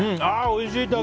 あー、おいしい！